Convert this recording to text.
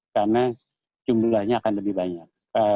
karena jumlahnya akan lebih banyak